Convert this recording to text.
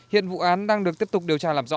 hiện vụ án đang được tiếp tục điều tra làm rõ